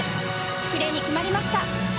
きれいに決まりました。